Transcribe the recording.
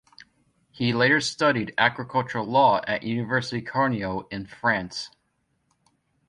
He later studied Agricultural Law at University Carnio in France.